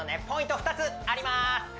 ポイント２つあります